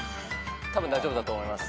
たぶん大丈夫だと思います。